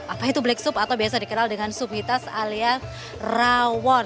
apa itu black soup atau biasa dikenal dengan soup hitas alias rawon